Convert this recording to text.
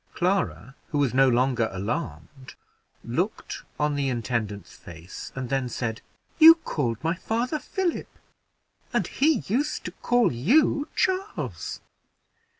Clara, who was no longer alarmed, looked on the intendant's face, and then said, "You called my father Philip, and he used to call you Charles."